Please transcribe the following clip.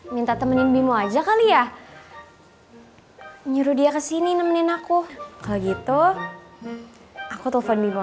minta temenin bimo aja kali ya nyuruh dia kesini nemenin aku kayak gitu aku telepon bimo